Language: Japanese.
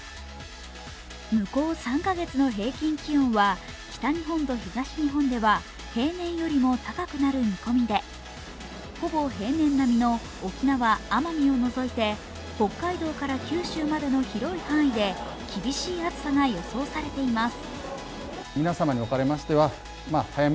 向こう３カ月の平均気温は北日本と東日本では平年よりも高くなる見込みで、ほぼ平年並みの沖縄・奄美を除いて北海道から九州までの広い範囲で厳しい暑さが予想されています。